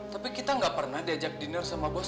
tapi kita tidak pernah diajak dinner dengan bos